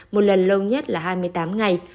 một lần lâu nhất là hai mươi tám ngày